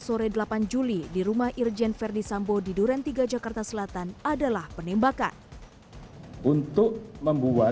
sore delapan juli di rumah irjen verdi sambo di duren tiga jakarta selatan adalah penembakan untuk membuat